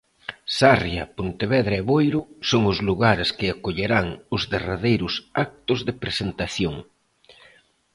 Sarria, Pontevedra e Boiro son os lugares que acollerán os derradeiros actos de presentación.